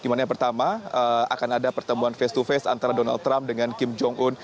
dimana yang pertama akan ada pertemuan face to face antara donald trump dengan kim jong un